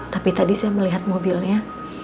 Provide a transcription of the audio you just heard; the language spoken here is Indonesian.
tapi tadi saya melihat mobilnya